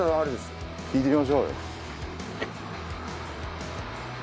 聞いてみましょう。